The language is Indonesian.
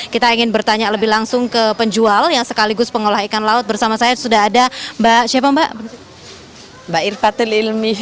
kita ingin bertanya lebih langsung ke penjual yang sekaligus pengolah ikan laut bersama saya sudah ada mbak siapa mbak irfatil ilmi